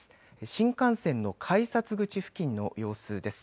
新幹線の改札口付近の様子です。